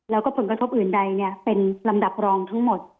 แล้วก็ผลกระทบอื่นใดเป็นลำดับรองทั้งหมด